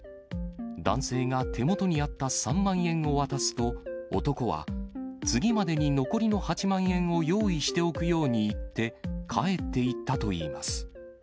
男性が手元にあった３万円を渡すと、男は次までに残りの８万円を用意しておくように言って、帰っていったといいます。